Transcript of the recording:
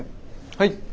はい。